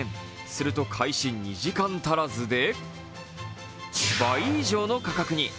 すると開始２時間足らずで倍以上の価格に。